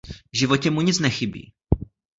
V životě mu nic nechybí.